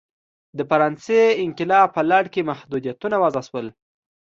د فرانسې انقلاب په لړ کې محدودیتونه وضع شول.